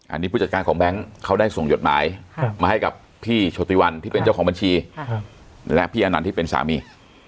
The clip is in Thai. อันนี้ผู้จัดการของแบงค์เขาได้ส่งหยดหมายมาให้กับพี่โชติวันที่เป็นเจ้าของบัญชีและพี่อนันต์ที่เป็นสามี